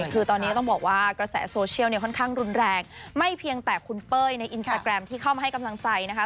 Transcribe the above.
คือตอนนี้ต้องบอกว่ากระแสโซเชียลเนี่ยค่อนข้างรุนแรงไม่เพียงแต่คุณเป้ยในอินสตาแกรมที่เข้ามาให้กำลังใจนะคะ